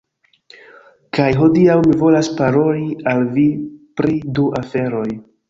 Kaj hodiaŭ mi volas paroli al vi pri du aferoj.